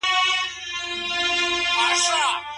څوک په ايمان سره ښه کارونه کوي؟